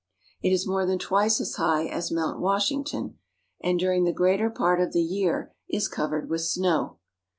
It is more than twice as high as Mount Wash ington, and during the greater part of the year is covered with snow.